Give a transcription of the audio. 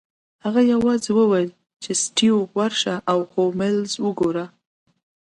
هغه یوازې وویل چې سټیو ورشه او هولمز وګوره